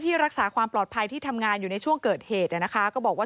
เพราะมันพุ่งเร็วมากนะ